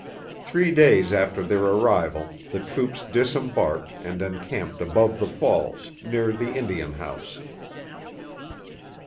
Three days after their arrival the troops disembarked and encamped above the Falls, near the Indian House.